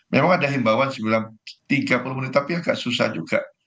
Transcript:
memang ada himbawan tiga puluh menit tapi agak susah juga